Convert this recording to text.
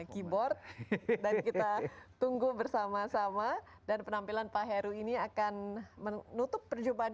keyboard dan kita tunggu bersama sama dan penampilan pak heru ini akan menutup perjumpaan